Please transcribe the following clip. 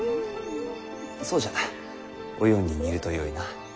そうじゃなお葉に似るとよいな。